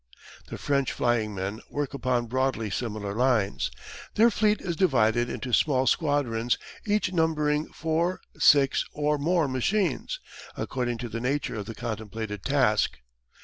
The French flying men work upon broadly similar lines. Their fleet is divided into small squadrons each numbering four, six, or more machines, according to the nature of the contemplated task.